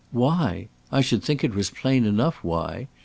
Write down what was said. "Why? I should think it was plain enough why!